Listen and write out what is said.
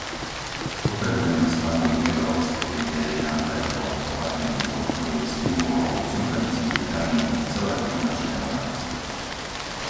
Potrebujeme stanoviť európske kritériá pre oblasť opatrení podpory, stimulov, subvencií, daní, celého finančného rámca.